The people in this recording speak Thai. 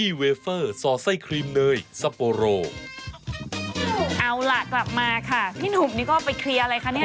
พี่หนุ่มนี่ก็ไปเคลียร์อะไรคะเนี่ย